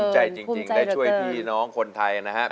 ใจจริงได้ช่วยพี่น้องคนไทยนะครับ